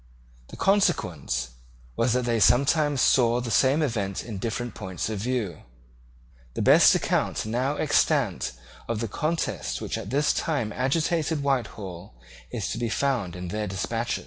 The consequence was that they sometimes saw the same event in different points of view. The best account now extant of the contest which at this time agitated Whitehall is to be found in their despatches.